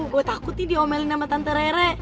gue takut nih diomelin sama tante rera